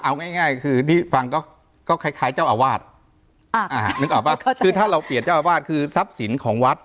เอาง่ายง่ายคือที่ฟังก็คล้ายคล้ายเจ้าอาวาสนึกออกป่ะคือถ้าเราเปลี่ยนเจ้าอาวาสคือทรัพย์สินของวัด